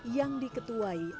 yang diketuai oleh batik betawi